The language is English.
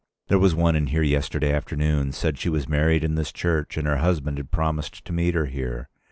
There was one in here yesterday afternoon said she was married in this church and her husband had promised to meet her here.